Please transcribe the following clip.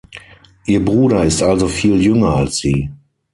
Ihr Bruder ist also viel jünger als Sie.